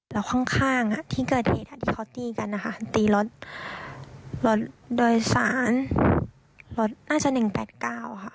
แล้วข้างที่เกิดเหตุที่เขาตีกันนะคะตีรถรถโดยสารรถน่าจะ๑๘๙ค่ะ